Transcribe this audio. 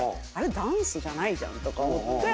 ダンスじゃないじゃんとか思って。